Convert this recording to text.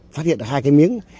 phát hiện là hai cái miếng